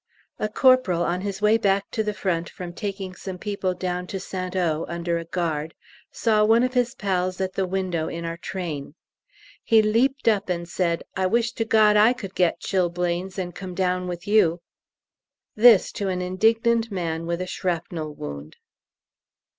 A corporal on his way back to the Front from taking some people down to St O. under a guard saw one of his pals at the window in our train. He leaped up and said, "I wish to God I could get chilblains and come down with you." This to an indignant man with a shrapnel wound!